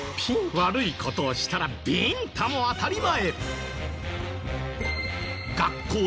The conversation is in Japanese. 悪い事をしたらビンタも当たり前。